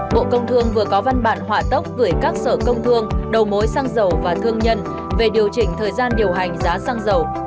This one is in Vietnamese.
bộ công thương vừa có văn bản hỏa tốc gửi các sở công thương đầu mối xăng dầu và thương nhân về điều chỉnh thời gian điều hành giá xăng dầu